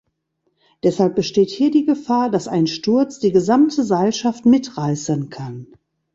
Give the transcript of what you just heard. Deshalb besteht hier die Gefahr, dass ein Sturz die gesamte Seilschaft mitreißen kann.